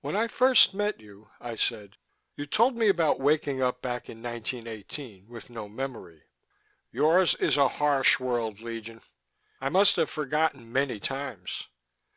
"When I first met you," I said, "you told me about waking up back in 1918, with no memory." "Yours is a harsh world, Legion. I must have forgotten many times.